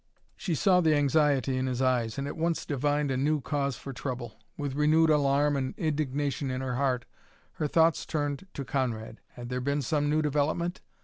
She saw the anxiety in his eyes, and at once divined a new cause for trouble. With renewed alarm and indignation in her heart her thoughts turned to Conrad. Had there been some new development?